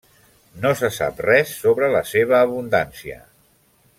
No se sap res sobre la seva abundància.